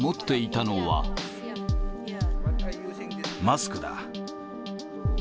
マスクだ。